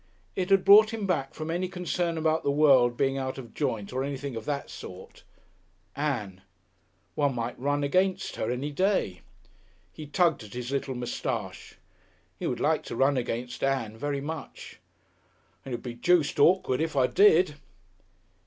It had brought him back from any concern about the world being out of joint or anything of that sort. Ann! One might run against her any day. He tugged at his little moustache. He would like to run against Ann very much.... "And it would be juiced awkward if I did!"